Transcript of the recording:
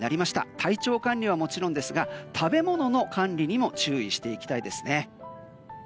体調管理はもちろんですが食べ物の管理にも注意していきたいですね。